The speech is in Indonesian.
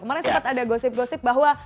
kemarin sempat ada gosip gosip bahwa